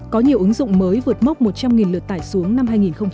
có nhiều ứng dụng mới vượt mốc một trăm linh lượt tải xuống năm hai nghìn hai mươi